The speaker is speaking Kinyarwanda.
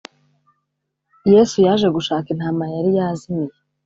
Yesu yaje gushaka intama yari yazimiye